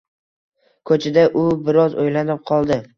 Ko`chada u biroz o`ylanib qoldi